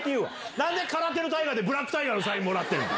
何で空手の大会でブラックタイガーのサインもらってんだ！